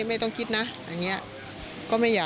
ตลอดทั้งคืนตลอดทั้งคืน